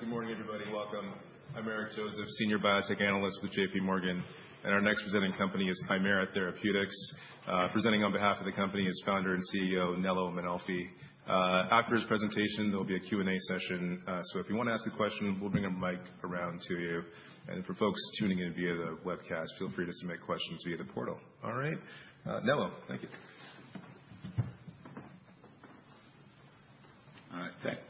Good morning, everybody. Welcome. I'm Eric Joseph, Senior Biotech Analyst with JPMorgan. And our next presenting company is Kymera Therapeutics. Presenting on behalf of the company is Founder and CEO Nello Mainolfi. After his presentation, there'll be a Q&A session. So if you want to ask a question, we'll bring a mic around to you. And for folks tuning in via the webcast, feel free to submit questions via the portal. All right? Nello, thank you.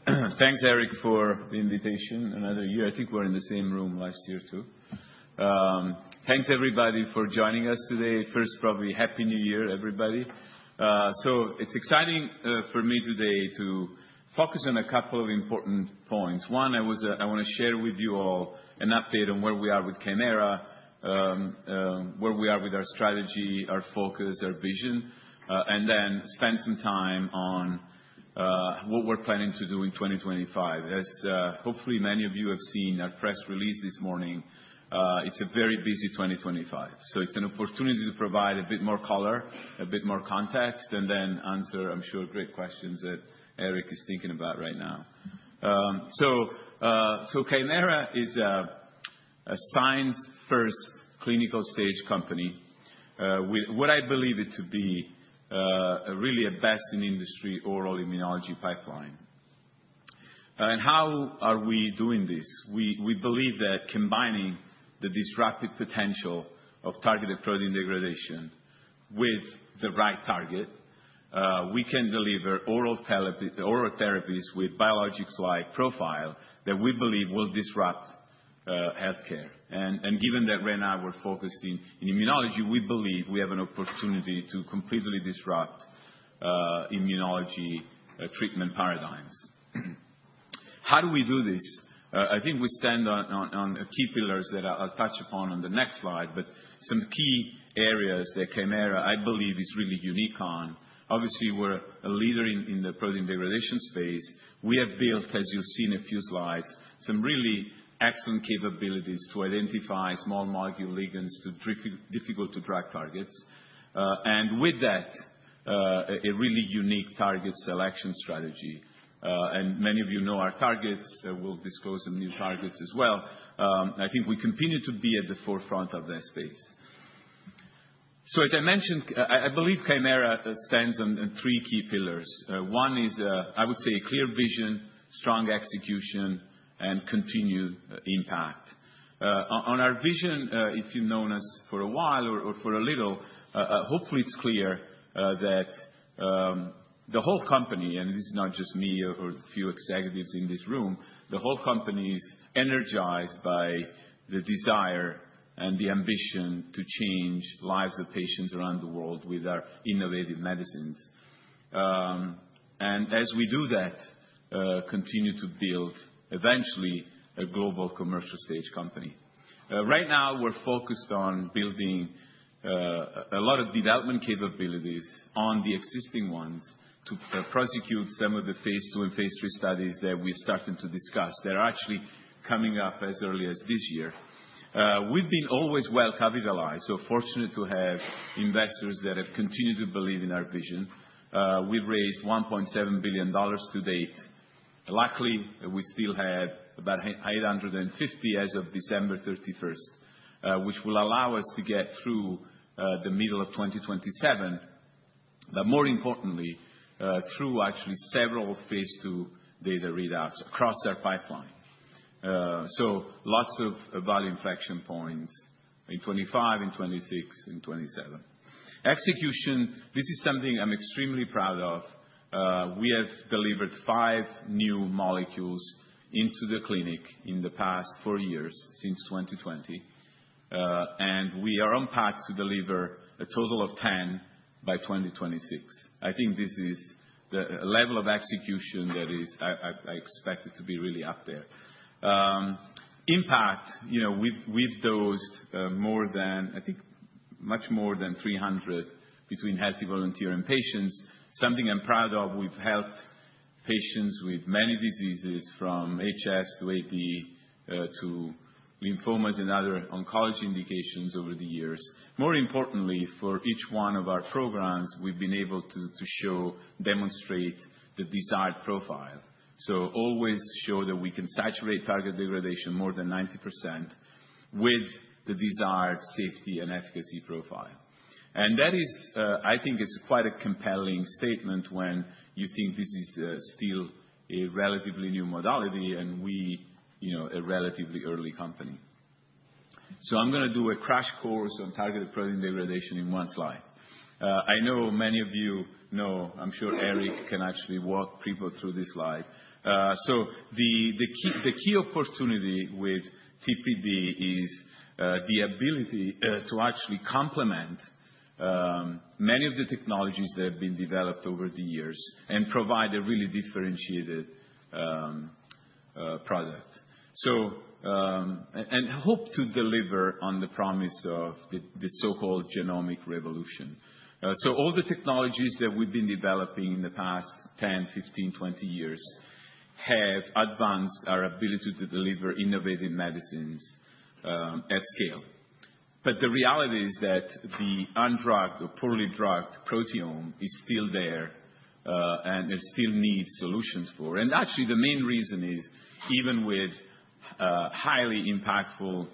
All right. Thanks, Eric, for the invitation. And I think we're in the same room last year, too. Thanks, everybody, for joining us today. First, probably Happy New Year, everybody. So it's exciting for me today to focus on a couple of important points. One, I want to share with you all an update on where we are with Kymera, where we are with our strategy, our focus, our vision, and then spend some time on what we're planning to do in 2025. As hopefully many of you have seen our press release this morning, it's a very busy 2025. So it's an opportunity to provide a bit more color, a bit more context, and then answer, I'm sure, great questions that Eric is thinking about right now. So Kymera is a science-first clinical stage company with what I believe it to be really a best-in-industry oral immunology pipeline. How are we doing this? We believe that combining this rapid potential of targeted protein degradation with the right target, we can deliver oral therapies with biologics-like profile that we believe will disrupt health care. Given that right now we're focused in immunology, we believe we have an opportunity to completely disrupt immunology treatment paradigms. How do we do this? I think we stand on key pillars that I'll touch upon the next slide, but some key areas that Kymera, I believe, is really unique on. Obviously, we're a leader in the protein degradation space. We have built, as you've seen a few slides, some really excellent capabilities to identify small molecule ligands to difficult-to-drug targets. With that, a really unique target selection strategy. Many of you know our targets. We'll disclose some new targets as well. I think we continue to be at the forefront of that space. So as I mentioned, I believe Kymera stands on three key pillars. One is, I would say, a clear vision, strong execution, and continued impact. On our vision, if you've known us for a while or for a little, hopefully, it's clear that the whole company, and this is not just me or a few executives in this room, the whole company is energized by the desire and the ambition to change lives of patients around the world with our innovative medicines. And as we do that, continue to build, eventually, a global commercial stage company. Right now, we're focused on building a lot of development capabilities on the existing ones to prosecute some of the phase II and phase III studies that we've started to discuss that are actually coming up as early as this year. We've been always well capitalized, so fortunate to have investors that have continued to believe in our vision. We've raised $1.7 billion to date. Luckily, we still have about $850 as of December 31st, which will allow us to get through the middle of 2027, but more importantly, through actually several phase II data readouts across our pipeline. So lots of value inflection points in 2025, in 2026, in 2027. Execution, this is something I'm extremely proud of. We have delivered five new molecules into the clinic in the past four years since 2020. And we are on path to deliver a total of 10 by 2026. I think this is the level of execution that I expect it to be really up there. Impact, we've dosed more than. I think much more than 300 between healthy volunteer and patients. Something I'm proud of, we've helped patients with many diseases from HS to AD to lymphomas and other oncology indications over the years. More importantly, for each one of our programs, we've been able to show, demonstrate the desired profile. We always show that we can saturate target degradation more than 90% with the desired safety and efficacy profile, and that is, I think, quite a compelling statement when you think this is still a relatively new modality and we are a relatively early company, so I'm going to do a crash course on targeted protein degradation in one slide. I know many of you know. I'm sure Eric can actually walk people through this slide, so the key opportunity with TPD is the ability to actually complement many of the technologies that have been developed over the years and provide a really differentiated product. Hope to deliver on the promise of the so-called genomic revolution. All the technologies that we've been developing in the past 10, 15, 20 years have advanced our ability to deliver innovative medicines at scale. But the reality is that the undrugged or poorly drugged proteome is still there, and it still needs solutions for. Actually, the main reason is, even with highly impactful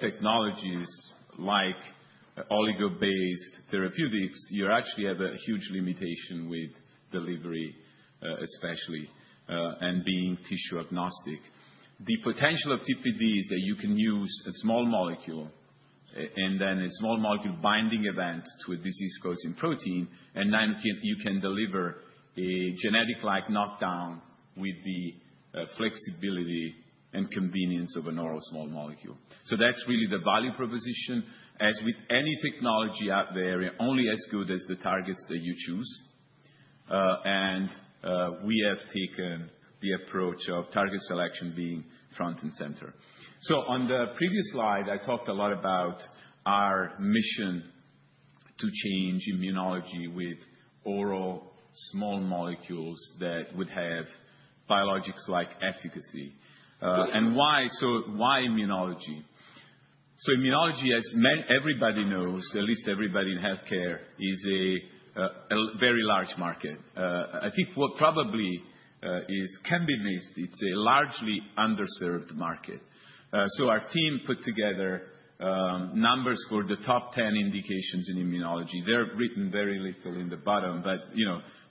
technologies like oligo-based therapeutics, you actually have a huge limitation with delivery, especially, and being tissue-agnostic. The potential of TPD is that you can use a small molecule and then a small molecule binding event to a disease protein, and then you can deliver a genetic-like knockdown with the flexibility and convenience of an oral small molecule. That's really the value proposition. As with any technology out there, you're only as good as the targets that you choose. We have taken the approach of target selection being front and center. On the previous slide, I talked a lot about our mission to change immunology with oral small molecules that would have biologics-like efficacy. Why immunology? Immunology, as everybody knows, at least everybody in health care, is a very large market. I think what probably can be missed is that it's a largely underserved market. Our team put together numbers for the top 10 indications in immunology. They're written very lightly in the bottom, but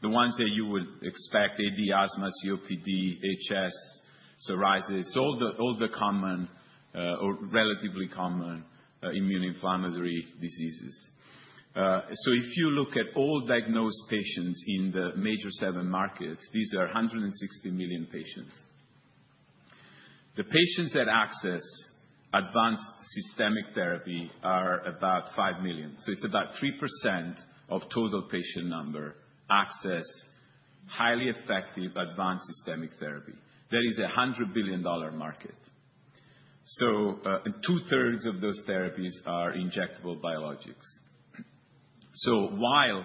the ones that you would expect: AD, asthma, COPD, HS, psoriasis, all the common or relatively common immune inflammatory diseases. If you look at all diagnosed patients in the major seven markets, these are 160 million patients. The patients that access advanced systemic therapy are about five million. It's about 3% of total patient number access highly effective advanced systemic therapy. That is a $100 billion market. Two-thirds of those therapies are injectable biologics. While,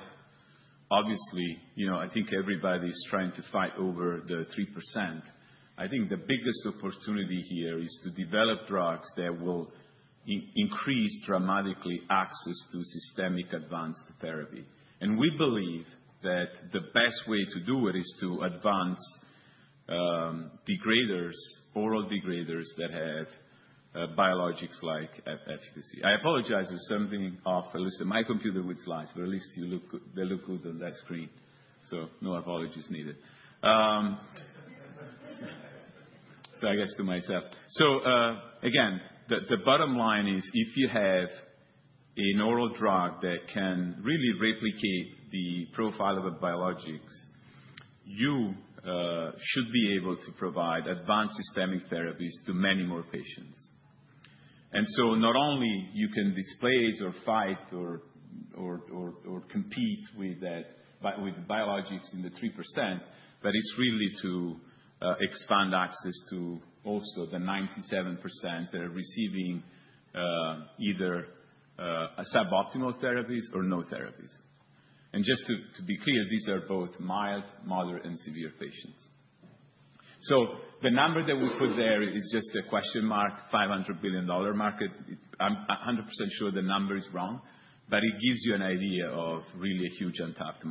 obviously, I think everybody is trying to fight over the 3%, I think the biggest opportunity here is to develop drugs that will increase dramatically access to systemic advanced therapy. We believe that the best way to do it is to advance degraders, oral degraders that have biologics-like efficacy. I apologize if something off. I lose my computer with slides, but at least they look good on that screen. No apologies needed. I guess to myself. Again, the bottom line is, if you have an oral drug that can really replicate the profile of a biologic, you should be able to provide advanced systemic therapies to many more patients. And so not only can you displace or fight or compete with biologics in the 3%, but it's really to expand access to also the 97% that are receiving either suboptimal therapies or no therapies. And just to be clear, these are both mild, moderate, and severe patients. So the number that we put there is just a question mark, $500 billion market. I'm 100% sure the number is wrong, but it gives you an idea of really a huge untapped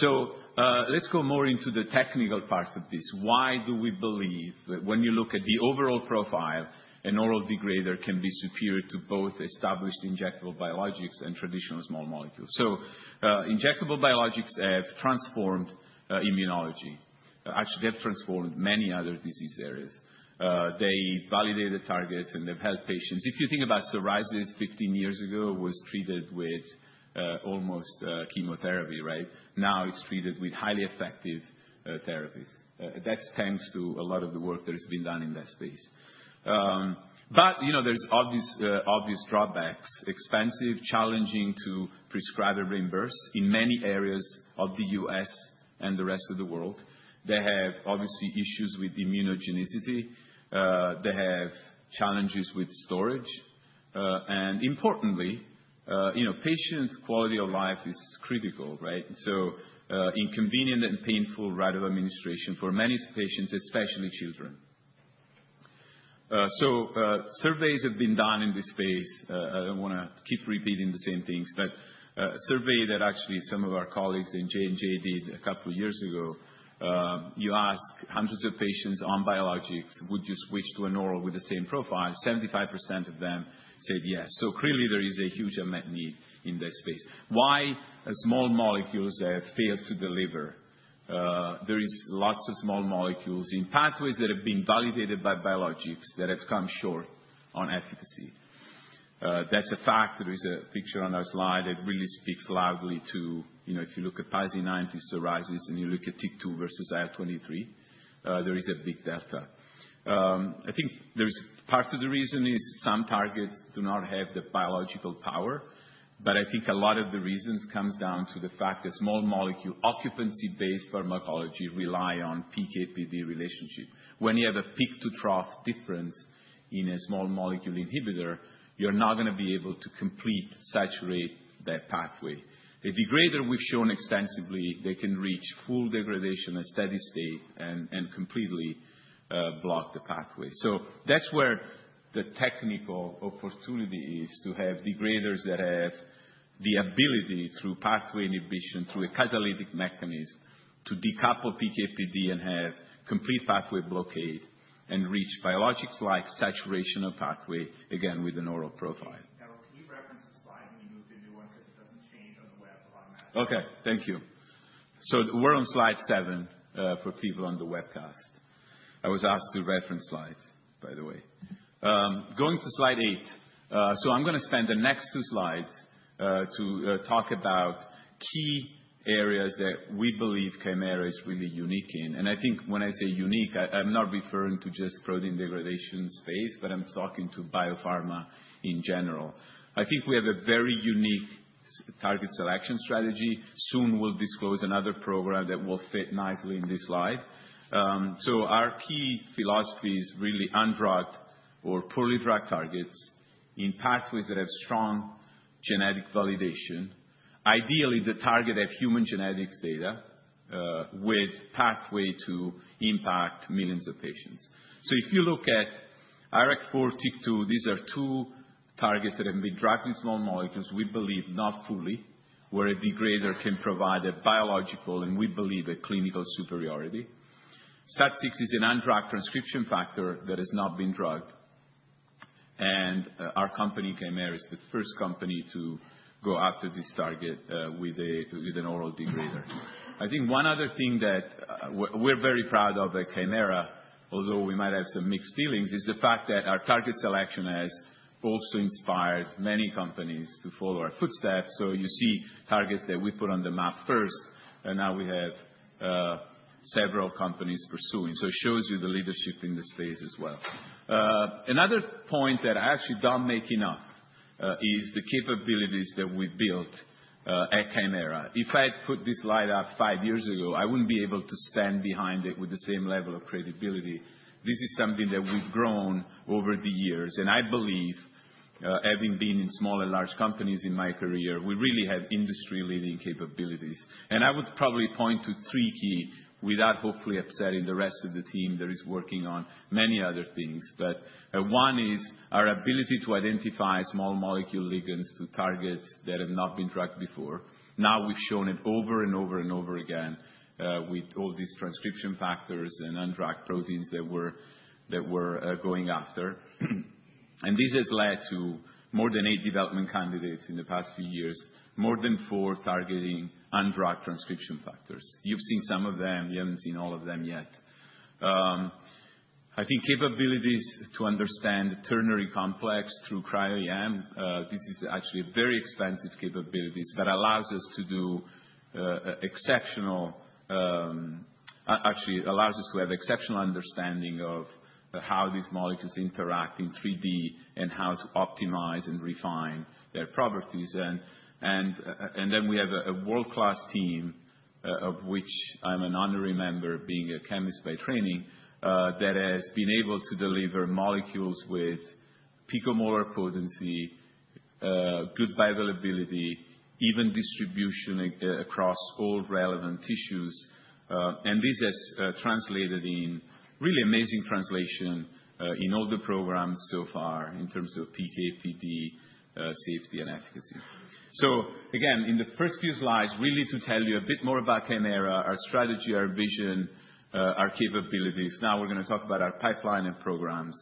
market. So let's go more into the technical parts of this. Why do we believe that when you look at the overall profile, an oral degrader can be superior to both established injectable biologics and traditional small molecules? So injectable biologics have transformed immunology. Actually, they have transformed many other disease areas. They validate the targets, and they've helped patients. If you think about psoriasis, 15 years ago, it was treated with almost chemotherapy, right? Now it's treated with highly effective therapies. That's thanks to a lot of the work that has been done in that space. But there's obvious drawbacks. Expensive, challenging to prescribe and reimburse in many areas of the U.S. and the rest of the world. They have, obviously, issues with immunogenicity. They have challenges with storage. And importantly, patient quality of life is critical, right? So inconvenient and painful route of administration for many patients, especially children. So surveys have been done in this space. I don't want to keep repeating the same things, but a survey that actually some of our colleagues in J&J did a couple of years ago, you ask hundreds of patients on biologics, would you switch to an oral with the same profile? 75% of them said yes. So clearly, there is a huge unmet need in that space. Why small molecules have failed to deliver? There are lots of small molecules in pathways that have been validated by biologics that have come short on efficacy. That's a fact. There is a picture on our slide that really speaks loudly to, if you look at PASI 90, psoriasis, and you look at TYK2 versus IL-23, there is a big delta. I think part of the reason is some targets do not have the biological power. But I think a lot of the reasons come down to the fact that small molecule occupancy-based pharmacology relies on PK/PD relationship. When you have a peak-to-trough difference in a small molecule inhibitor, you're not going to be able to completely saturate that pathway. A degrader, we've shown extensively, can reach full degradation and steady state and completely block the pathway. That's where the technical opportunity is to have degraders that have the ability, through pathway inhibition, through a catalytic mechanism, to decouple PK/PD and have complete pathway blockade and reach biologics-like saturation of pathway, again, with an oral profile. Okay. Thank you. So we're on slide seven for people on the webcast. I was asked to reference slides, by the way. Going to slide eight. So I'm going to spend the next two slides to talk about key areas that we believe Kymera is really unique in. And I think when I say unique, I'm not referring to just the protein degradation space, but I'm talking to biopharma in general. I think we have a very unique target selection strategy. Soon, we'll disclose another program that will fit nicely in this slide. So our key philosophy is really undrugged or poorly drugged targets in pathways that have strong genetic validation. Ideally, the target of human genetics data with pathway to impact millions of patients. So if you look at IRAK4, TYK2, these are two targets that have been drugged with small molecules, we believe, not fully, where a degrader can provide a biological, and we believe, a clinical superiority. STAT6 is an undrugged transcription factor that has not been drugged. And our company, Kymera, is the first company to go after this target with an oral degrader. I think one other thing that we're very proud of at Kymera, although we might have some mixed feelings, is the fact that our target selection has also inspired many companies to follow our footsteps. So you see targets that we put on the map first, and now we have several companies pursuing. So it shows you the leadership in the space as well. Another point that I actually don't make enough is the capabilities that we've built at Kymera. If I had put this slide up five years ago, I wouldn't be able to stand behind it with the same level of credibility. This is something that we've grown over the years. And I believe, having been in small and large companies in my career, we really have industry-leading capabilities. And I would probably point to three key without, hopefully, upsetting the rest of the team that is working on many other things. But one is our ability to identify small molecule ligands to targets that have not been drugged before. Now we've shown it over and over and over again with all these transcription factors and undrugged proteins that we're going after. And this has led to more than eight development candidates in the past few years, more than four targeting undrugged transcription factors. You've seen some of them. You haven't seen all of them yet. I think capabilities to understand ternary complex through cryo-EM. This is actually a very expensive capability that allows us to have exceptional understanding of how these molecules interact in 3D and how to optimize and refine their properties. And then we have a world-class team, of which I'm an honorary member being a chemist by training, that has been able to deliver molecules with picomolar potency, good bioavailability, even distribution across all relevant tissues. And this has translated in really amazing translation in all the programs so far in terms of PK/PD safety and efficacy. Again, in the first few slides, really to tell you a bit more about Kymera, our strategy, our vision, our capabilities. Now we're going to talk about our pipeline and programs.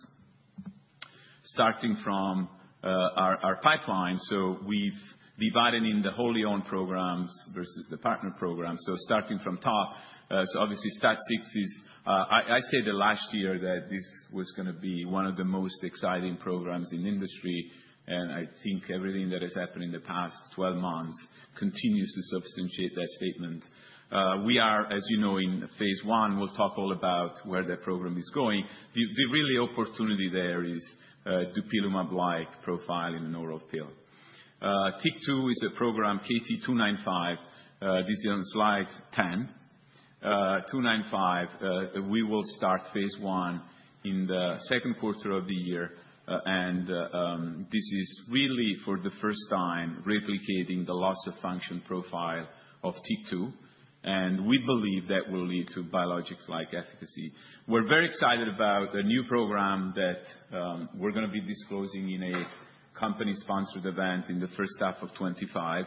Starting from our pipeline, so we've divided in the wholly-owned programs versus the partner programs. So starting from top, so obviously, STAT6, as I said last year, that this was going to be one of the most exciting programs in industry. And I think everything that has happened in the past 12 months continues to substantiate that statement. We are, as you know, in phase I. We'll talk all about where that program is going. The real opportunity there is a dupilumab-like profile in an oral pill. TYK2 is a program, KT-295. This is on slide 10. 295, we will start phase I in the second quarter of the year. And this is really, for the first time, replicating the loss of function profile of TYK2. And we believe that will lead to biologics-like efficacy. We're very excited about a new program that we're going to be disclosing in a company-sponsored event in the first half of 2025.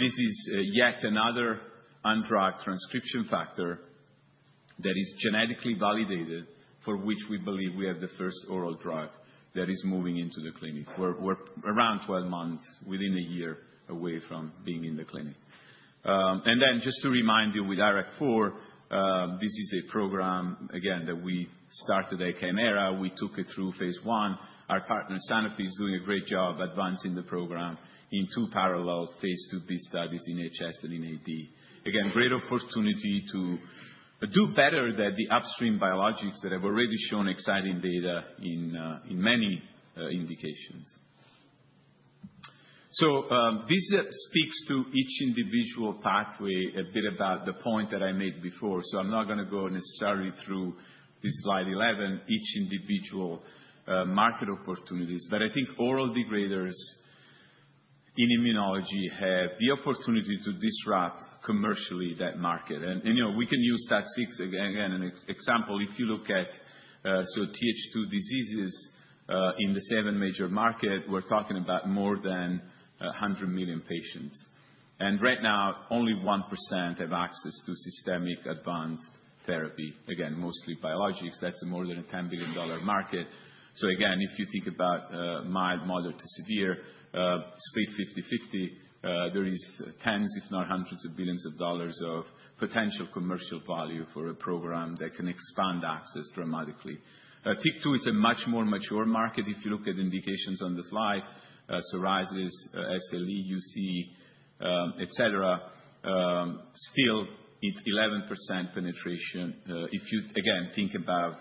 This is yet another undrugged transcription factor that is genetically validated, for which we believe we have the first oral drug that is moving into the clinic. We're around 12 months, within a year, away from being in the clinic. And then just to remind you, with IRAK4, this is a program, again, that we started at Kymera. We took it through phase I. Our partner, Sanofi, is doing a great job advancing the program in two parallel phase IIb studies in HS and in AD. Again, great opportunity to do better than the upstream biologics that have already shown exciting data in many indications. So this speaks to each individual pathway a bit about the point that I made before. I'm not going to go necessarily through this slide 11, each individual market opportunities. But I think oral degraders in immunology have the opportunity to disrupt commercially that market. We can use STAT6 again as an example. If you look at TH2 diseases in the seven major markets, we're talking about more than 100 million patients. Right now, only 1% have access to systemic advanced therapy. Again, mostly biologics. That's a more than $10 billion market. Again, if you think about mild, moderate to severe, split 50/50, there are tens, if not hundreds of billions of dollars of potential commercial value for a program that can expand access dramatically. TYK2 is a much more mature market if you look at indications on the slide. Psoriasis, SLE, UC, et cetera. Still, it's 11% penetration if you, again, think about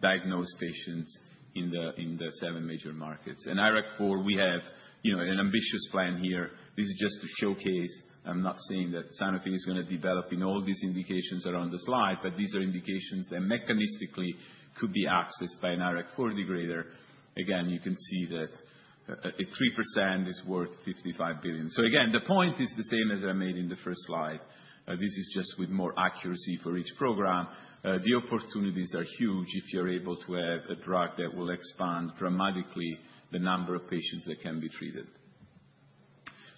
diagnosed patients in the seven major markets. IRAK4, we have an ambitious plan here. This is just to showcase. I'm not saying that Sanofi is going to develop in all these indications that are on the slide, but these are indications that mechanistically could be accessed by an IRAK4 degrader. Again, you can see that 3% is worth $55 billion. Again, the point is the same as I made in the first slide. This is just with more accuracy for each program. The opportunities are huge if you're able to have a drug that will expand dramatically the number of patients that can be treated.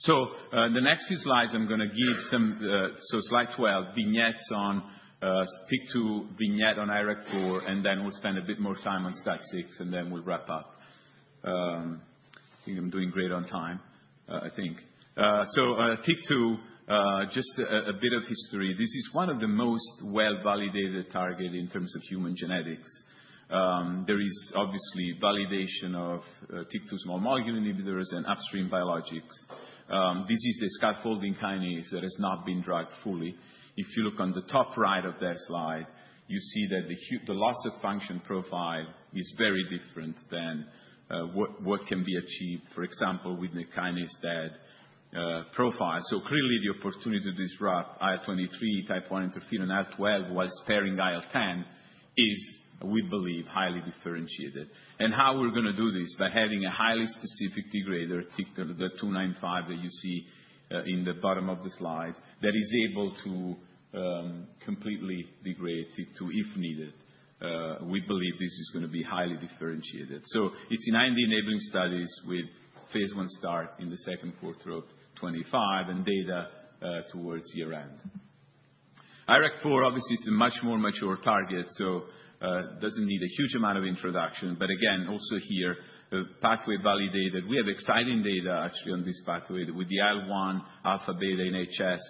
The next few slides, I'm going to give some slide 12 vignettes on TYK2 vignette on IRAK4, and then we'll spend a bit more time on STAT6, and then we'll wrap up. I think I'm doing great on time, I think. TYK2, just a bit of history. This is one of the most well-validated targets in terms of human genetics. There is obviously validation of TYK2 small molecule inhibitors and upstream biologics. This is a scaffolding kinase that has not been drugged fully. If you look on the top right of that slide, you see that the loss of function profile is very different than what can be achieved, for example, with the kinase inhibitor profile. So clearly, the opportunity to disrupt IL-23, type 1 interferon, IL-12 while sparing IL-10 is, we believe, highly differentiated, and how we're going to do this? By having a highly specific degrader, KT-295, that you see in the bottom of the slide, that is able to completely degrade TYK2 if needed. We believe this is going to be highly differentiated. So it's in IND enabling studies with phase I start in the second quarter of 2025 and data towards year-end. IRAK4, obviously, is a much more mature target, so it doesn't need a huge amount of introduction. But again, also here, pathway validated. We have exciting data, actually, on this pathway with the IL-1 alpha/beta in HS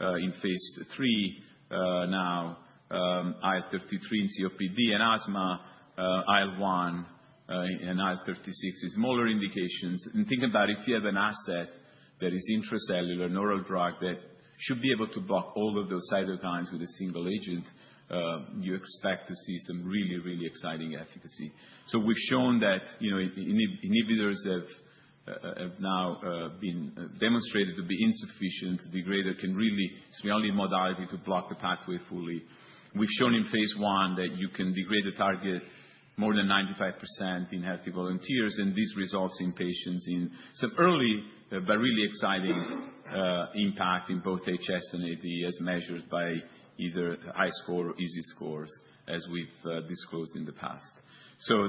in phase III now, IL-33 in COPD and asthma, IL-1 and IL-36 in more indications. And think about if you have an asset that is intracellular, an oral drug that should be able to block all of those cytokines with a single agent, you expect to see some really, really exciting efficacy. So we've shown that inhibitors have now been demonstrated to be insufficient. The degrader really is the only modality to block the pathway fully. We've shown in phase I that you can degrade the target more than 95% in healthy volunteers. This results in patients in some early but really exciting impact in both HS and AD as measured by either HiSCR or EASI scores, as we've disclosed in the past.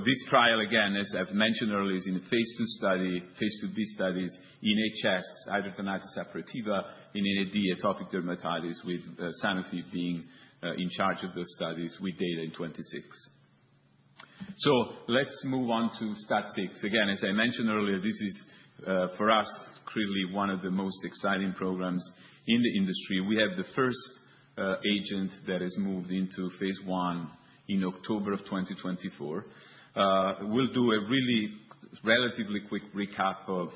This trial, again, as I've mentioned earlier, is in a phase II study, phase IIb studies in HS, hidradenitis suppurativa, and in AD, atopic dermatitis with Sanofi being in charge of those studies with data in 2026. Let's move on to STAT6. Again, as I mentioned earlier, this is, for us, clearly one of the most exciting programs in the industry. We have the first agent that has moved into phase I in October of 2024. We'll do a really relatively quick recap of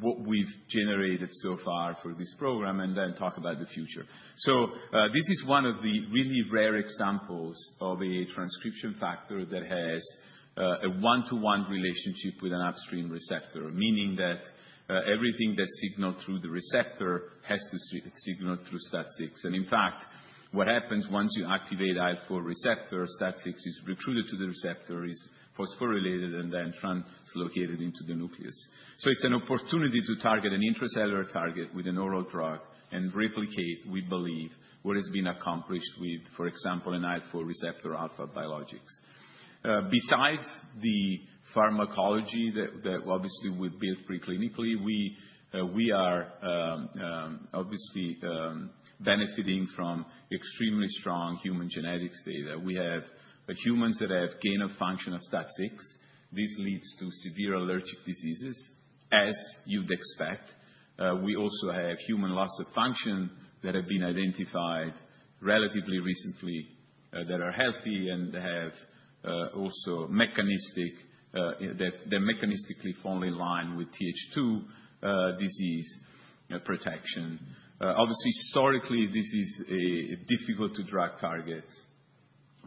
what we've generated so far for this program and then talk about the future. This is one of the really rare examples of a transcription factor that has a one-to-one relationship with an upstream receptor, meaning that everything that's signaled through the receptor has to signal through STAT6. And in fact, what happens once you activate IL-4 receptor, STAT6 is recruited to the receptor, is phosphorylated, and then translocated into the nucleus. It's an opportunity to target an intracellular target with an oral drug and replicate, we believe, what has been accomplished with, for example, an IL-4 receptor alpha biologics. Besides the pharmacology that, obviously, we've built preclinically, we are obviously benefiting from extremely strong human genetics data. We have humans that have gain of function of STAT6. This leads to severe allergic diseases, as you'd expect. We also have human loss-of-function that have been identified relatively recently that are healthy and have also mechanistically fall in line with TH2 disease protection. Obviously, historically, this is a difficult-to-drug target.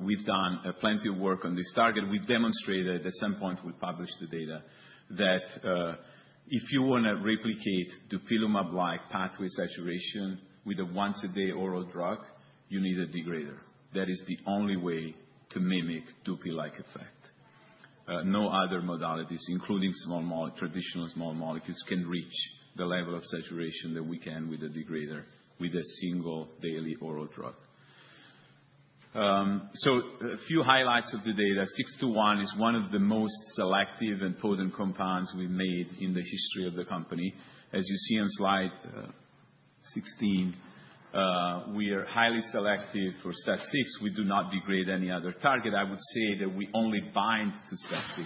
We've done plenty of work on this target. We've demonstrated at some point we published the data that if you want to replicate dupilumab-like pathway saturation with a once-a-day oral drug, you need a degrader. That is the only way to mimic dupi-like effect. No other modalities, including traditional small molecules, can reach the level of saturation that we can with a degrader with a single daily oral drug. So a few highlights of the data. 621 is one of the most selective and potent compounds we've made in the history of the company. As you see on slide 16, we are highly selective for STAT6. We do not degrade any other target. I would say that we only bind to STAT6.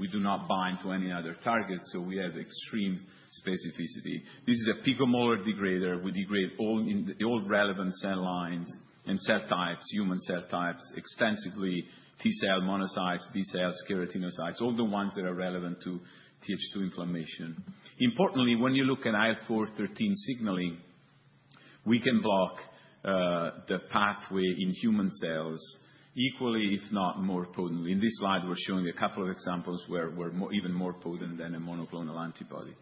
We do not bind to any other target, so we have extreme specificity. This is a potent oral degrader. We degrade all relevant cell lines and cell types, human cell types, extensively, T cells, monocytes, B cells, keratinocytes, all the ones that are relevant to TH2 inflammation. Importantly, when you look at IL-4/13 signaling, we can block the pathway in human cells equally, if not more potently. In this slide, we're showing a couple of examples where we're even more potent than a monoclonal antibody.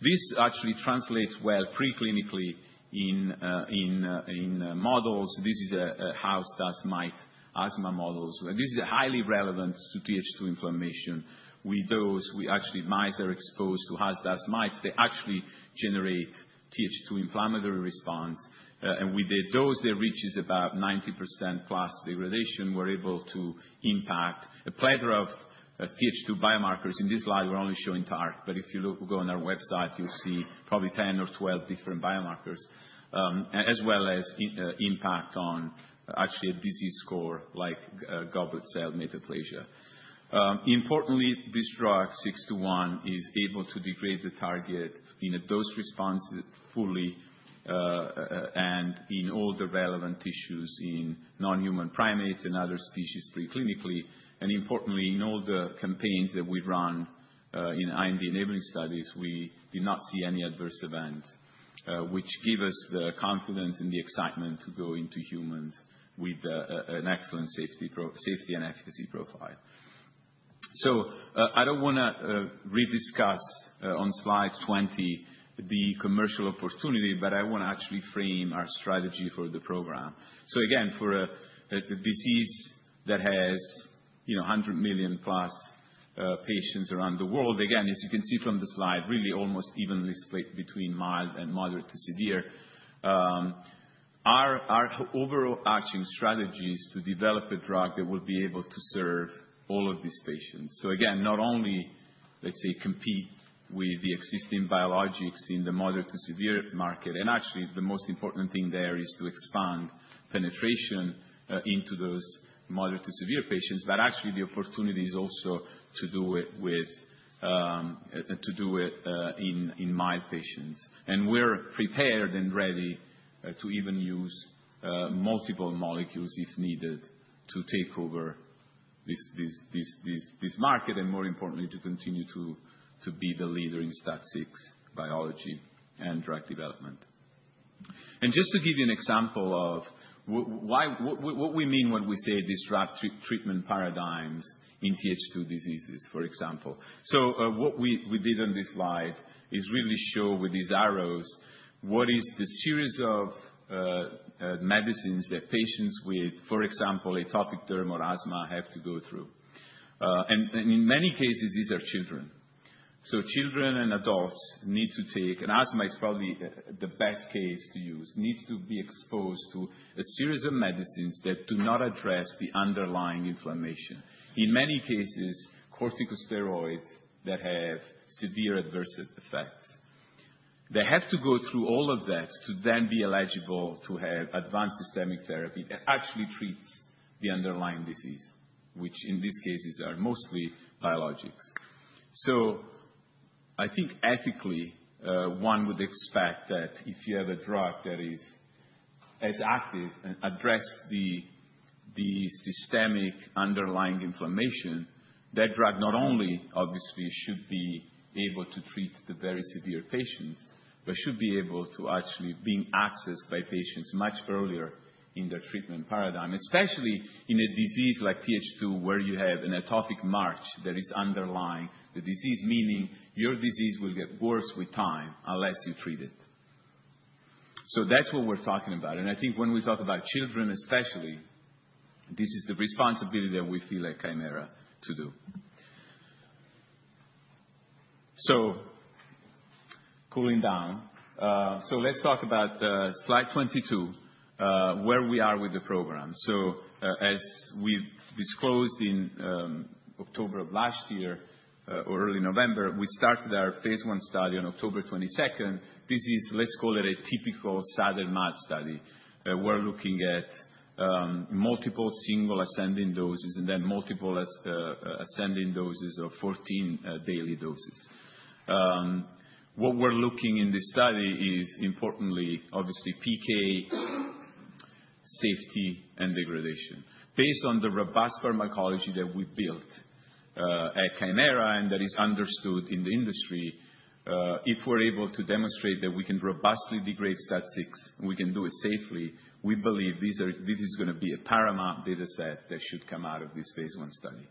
This actually translates well preclinically in models. This is a house dust mite asthma model. This is highly relevant to TH2 inflammation. With those, we actually expose mice to house dust mites. They actually generate TH2 inflammatory response, and with those, they reach about 90%+ degradation. We're able to impact a plethora of TH2 biomarkers. In this slide, we're only showing target, but if you go on our website, you'll see probably 10 or 12 different biomarkers, as well as impact on actually a disease score like goblet cell metaplasia. Importantly, this drug, KT-621, is able to degrade the target in a dose response fully and in all the relevant tissues in non-human primates and other species preclinically, and importantly, in all the campaigns that we run in IND enabling studies, we did not see any adverse events, which give us the confidence and the excitement to go into humans with an excellent safety and efficacy profile, so I don't want to rediscuss on slide 20 the commercial opportunity, but I want to actually frame our strategy for the program. Again, for a disease that has 100 million plus patients around the world, again, as you can see from the slide, really almost evenly split between mild and moderate to severe, our overarching strategy is to develop a drug that will be able to serve all of these patients. Again, not only, let's say, compete with the existing biologics in the moderate to severe market. Actually, the most important thing there is to expand penetration into those moderate to severe patients. Actually, the opportunity is also to do it in mild patients. We're prepared and ready to even use multiple molecules if needed to take over this market and, more importantly, to continue to be the leader in STAT6 biology and drug development. Just to give you an example of what we mean when we say disrupt treatment paradigms in TH2 diseases, for example. What we did on this slide is really show with these arrows what is the series of medicines that patients with, for example, atopic dermatitis and asthma have to go through. In many cases, these are children. Children and adults need to take and asthma is probably the best case to use. They need to be exposed to a series of medicines that do not address the underlying inflammation. In many cases, corticosteroids that have severe adverse effects. They have to go through all of that to then be eligible to have advanced systemic therapy that actually treats the underlying disease, which in these cases are mostly biologics. So I think ethically, one would expect that if you have a drug that is as active and addresses the systemic underlying inflammation, that drug not only, obviously, should be able to treat the very severe patients, but should be able to actually be accessed by patients much earlier in their treatment paradigm, especially in a disease like TH2 where you have an atopic march that is underlying the disease, meaning your disease will get worse with time unless you treat it. So that's what we're talking about. And I think when we talk about children, especially, this is the responsibility that we feel at Kymera to do. So cooling down. So let's talk about slide 22, where we are with the program. So as we disclosed in October of last year or early November, we started our phase I study on October 22nd. This is, let's call it a typical SAD and MAD study. We're looking at multiple single ascending doses and then multiple ascending doses of 14 daily doses. What we're looking in this study is, importantly, obviously, PK, safety, and degradation. Based on the robust pharmacology that we built at Kymera and that is understood in the industry, if we're able to demonstrate that we can robustly degrade STAT6 and we can do it safely, we believe this is going to be a paramount dataset that should come out of this phase I study.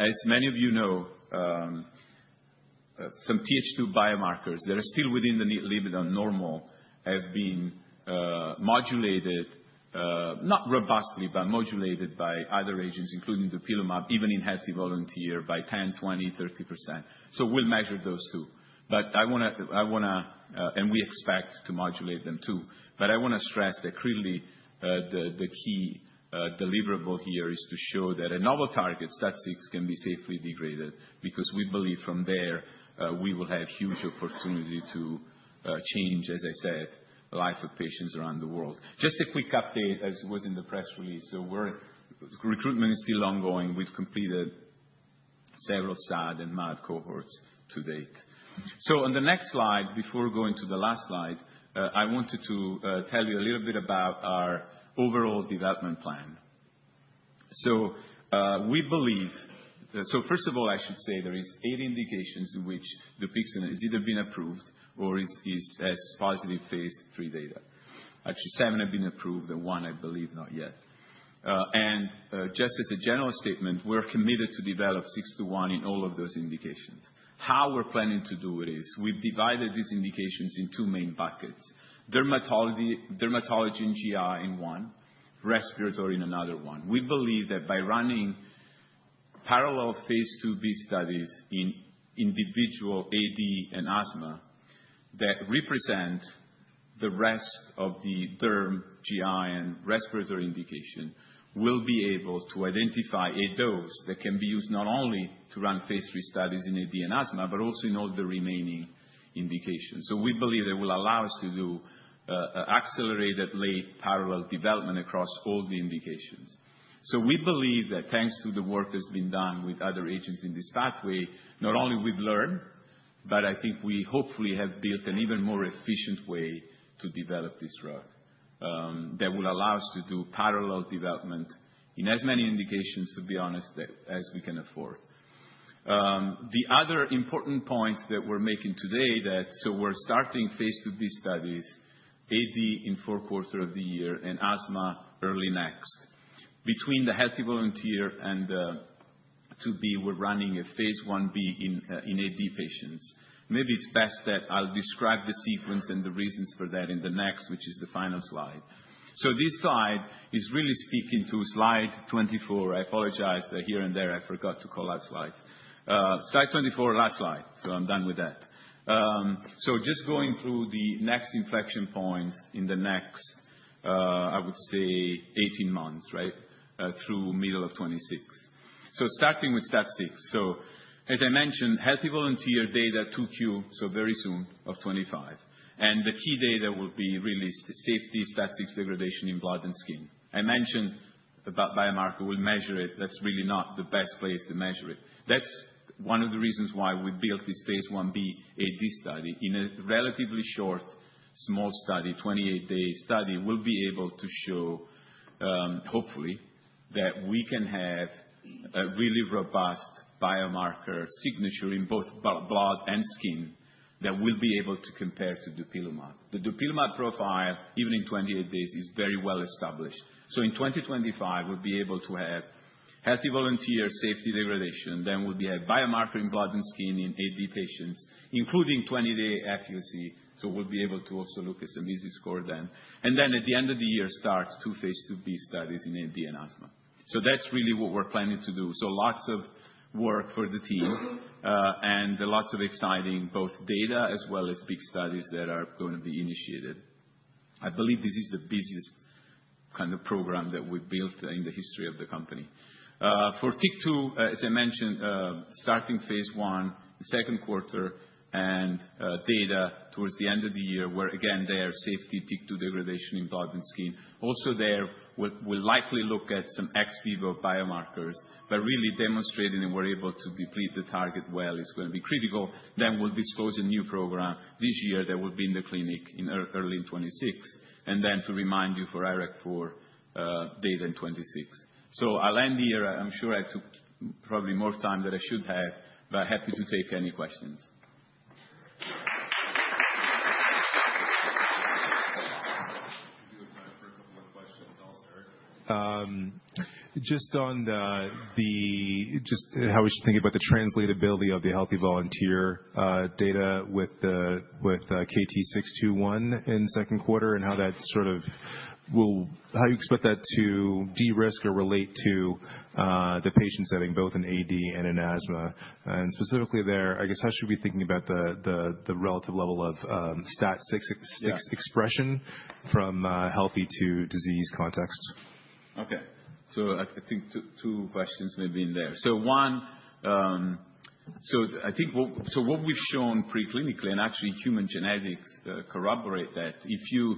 As many of you know, some TH2 biomarkers that are still within the limit of normal have been modulated, not robustly, but modulated by other agents, including dupilumab, even in healthy volunteer, by 10%, 20%, 30%. So we'll measure those too. But I want to and we expect to modulate them too. But I want to stress that clearly the key deliverable here is to show that a novel target, STAT6, can be safely degraded because we believe from there we will have huge opportunity to change, as I said, life of patients around the world. Just a quick update, as was in the press release. So recruitment is still ongoing. We've completed several SAD and MAD cohorts to date. So on the next slide, before going to the last slide, I wanted to tell you a little bit about our overall development plan. So we believe so first of all, I should say there are eight indications in which Dupixent has either been approved or is as positive phase III data. Actually, seven have been approved and one, I believe, not yet. And just as a general statement, we're committed to develop 621 in all of those indications. How we're planning to do it is we've divided these indications into two main buckets: dermatology and GI in one, respiratory in another one. We believe that by running parallel phase IIb studies in individual AD and asthma that represent the rest of the term, GI, and respiratory indication, we'll be able to identify a dose that can be used not only to run phase III studies in AD and asthma, but also in all the remaining indications. So we believe that will allow us to do accelerated, late, parallel development across all the indications. So we believe that thanks to the work that's been done with other agents in this pathway, not only we've learned, but I think we hopefully have built an even more efficient way to develop this drug that will allow us to do parallel development in as many indications, to be honest, as we can afford. The other important points that we're making today. So we're starting phase IIb studies, AD in four quarters of the year, and asthma early next. Between the healthy volunteer and the IIB, we're running a phase Ib in AD patients. Maybe it's best that I'll describe the sequence and the reasons for that in the next, which is the final slide. So this slide is really speaking to slide 24. I apologize that here and there I forgot to call out slides. Slide 24, last slide. So I'm done with that. So, just going through the next inflection points in the next, I would say, 18 months, right, through middle of 2026. So, starting with STAT6. So, as I mentioned, healthy volunteer data 2Q 2025, so very soon. And the key data will be really safety, STAT6 degradation in blood and skin. I mentioned about biomarker. We'll measure it. That's really not the best place to measure it. That's one of the reasons why we built this phase Ib AD study. In a relatively short, small study, 28-day study, we'll be able to show, hopefully, that we can have a really robust biomarker signature in both blood and skin that we'll be able to compare to dupilumab. The dupilumab profile, even in 28 days, is very well established. So, in 2025, we'll be able to have healthy volunteer safety degradation. Then we'll read biomarkers in blood and skin in AD patients, including 20-day efficacy. So we'll be able to also look at some EASI score then. And then at the end of the year, start two phase IIb studies in AD and asthma. So that's really what we're planning to do. So lots of work for the team and lots of exciting both data as well as big studies that are going to be initiated. I believe this is the busiest kind of program that we've built in the history of the company. For TYK2, as I mentioned, starting phase I second quarter, and data towards the end of the year where, again, there'll be safety TYK2 degradation in blood and skin. Also there, we'll likely look at some ex vivo biomarkers. But really demonstrating that we're able to deplete the target well is going to be critical. Then we'll disclose a new program this year that will be in the clinic in early 2026. And then to remind you for IRAK4 data in 2026. So I'll end here. I'm sure I took probably more time than I should have, but happy to take any questions. If you have time for a couple of questions also. Just on the how we should think about the translatability of the healthy volunteer data with KT621 in second quarter and how that sort of will you expect that to de-risk or relate to the patient setting, both in AD and in asthma, and specifically there, I guess, how should we be thinking about the relative level of STAT6 expression from healthy to disease context? Okay. I think two questions may be in there. One, I think what we've shown preclinically and actually human genetics corroborate that if you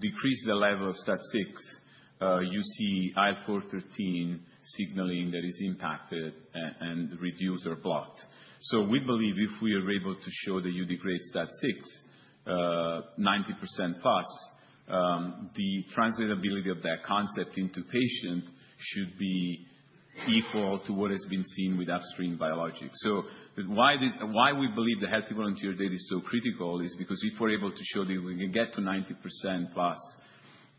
decrease the level of STAT6, you see IL-4/13 signaling that is impacted and reduced or blocked. We believe if we are able to show that you degrade STAT6 90%+, the translatability of that concept into patients should be equal to what has been seen with upstream biologics. Why we believe the healthy volunteer data is so critical is because if we're able to show that we can get to 90%+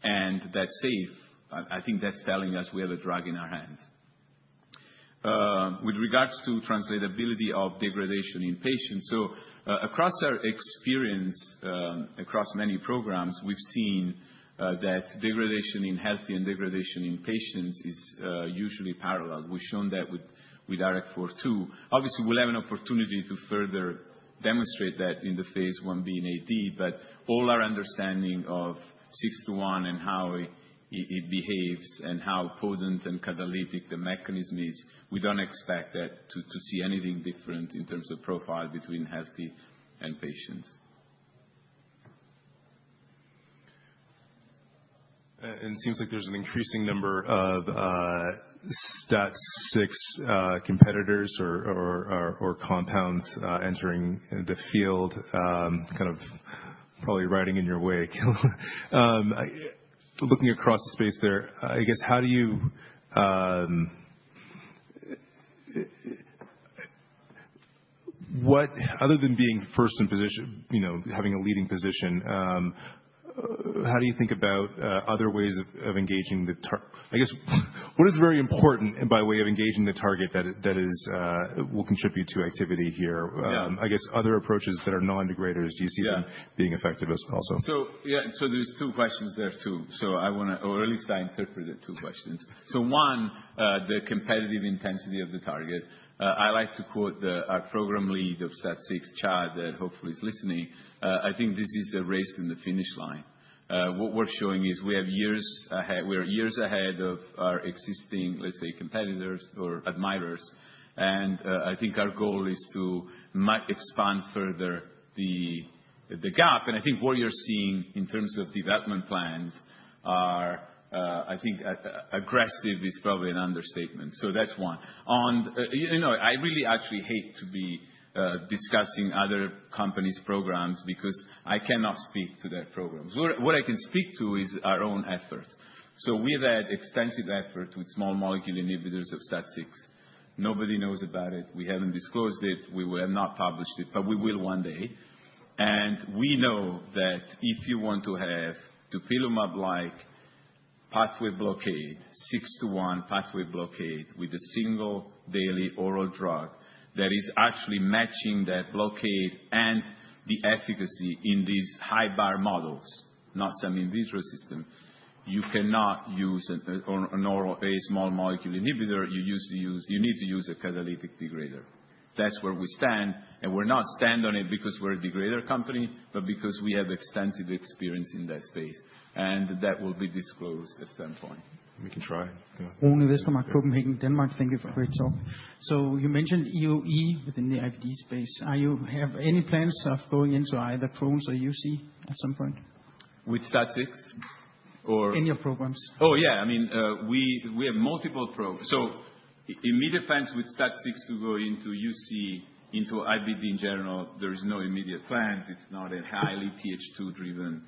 and that's safe, I think that's telling us we have a drug in our hands. With regards to translatability of degradation in patients, across our experience with many programs, we've seen that degradation in healthy and degradation in patients is usually parallel. We've shown that with IRAK4 too. Obviously, we'll have an opportunity to further demonstrate that in the phase Ib in AD, but all our understanding of 621 and how it behaves and how potent and catalytic the mechanism is, we don't expect that to see anything different in terms of profile between healthy and patients. And it seems like there's an increasing number of STAT6 competitors or compounds entering the field, kind of probably riding in your way. Looking across the space there, I guess, how do you what other than being first in position, having a leading position, how do you think about other ways of engaging the I guess, what is very important by way of engaging the target that will contribute to activity here? I guess other approaches that are non-degraders, do you see them being effective also? So yeah, so there's two questions there too. So I want to, or at least I interpreted, two questions. So one, the competitive intensity of the target. I like to quote our program lead of STAT6, Chad, that hopefully is listening. I think this is a race in the finish line. What we're showing is we have years ahead. We are years ahead of our existing, let's say, competitors or admirers. And I think our goal is to expand further the gap. And I think what you're seeing in terms of development plans are, I think, aggressive is probably an understatement. So that's one. On, I really actually hate to be discussing other companies' programs because I cannot speak to their programs. What I can speak to is our own effort. So we have had extensive effort with small molecule inhibitors of STAT6. Nobody knows about it. We haven't disclosed it. We have not published it, but we will one day, and we know that if you want to have dupilumab-like pathway blockade, 621 pathway blockade with a single daily oral drug that is actually matching that blockade and the efficacy in these high bar models, not some in vitro system, you cannot use an oral small molecule inhibitor. You need to use a catalytic degrader. That's where we stand, and we're not standing on it because we're a degrader company, but because we have extensive experience in that space. And that will be disclosed at some point. We can try. Ole Vestmark, Copenhagen, Denmark, thank you for your talk. So you mentioned EOE within the IBD space. Do you have any plans of going into either Crohn's or UC at some point? With STAT6 or? In your programs. Oh, yeah. I mean, we have multiple programs. So, immediate plans with STAT6 to go into UC, into IBD in general, there is no immediate plan. It's not a highly TH2-driven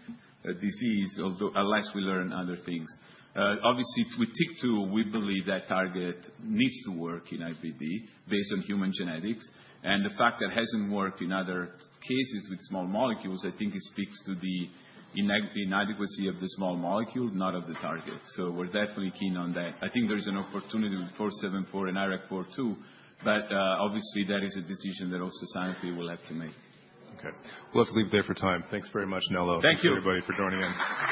disease, unless we learn other things. Obviously, with TYK2, we believe that target needs to work in IBD based on human genetics. And the fact that it hasn't worked in other cases with small molecules, I think it speaks to the inadequacy of the small molecule, not of the target. So we're definitely keen on that. I think there is an opportunity with 474 and IRAK4 too, but obviously, that is a decision that also scientifically we'll have to make. Okay. We'll have to leave it there for time. Thanks very much, Nello. Thank you. Thanks, everybody, for joining in.